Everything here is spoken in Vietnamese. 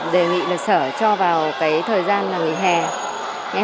đề nghị là sở cho vào cái thời gian là ngày hè